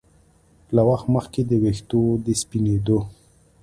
له وخت مخکې د ویښتو د سپینېدو